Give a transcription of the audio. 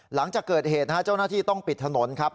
หลังจากเกิดเหตุนะฮะเจ้าหน้าที่ต้องปิดถนนครับ